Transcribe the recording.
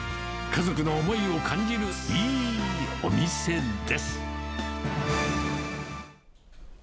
家族の思いを感じるいいお店です。